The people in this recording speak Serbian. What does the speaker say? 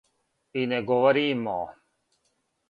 И не говоримо.